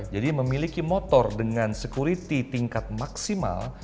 jadi memiliki motor dengan sekuriti tingkat maksimal